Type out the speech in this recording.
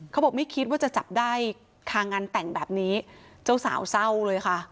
เขาบอกไม่คิดว่าจะจับได้คางานแต่งแบบนี้เจ้าสาวเศร้าเลยค่ะ